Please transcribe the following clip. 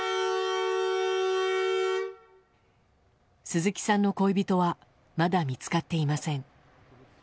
鈴木さんの恋人はまだ見つかっていません。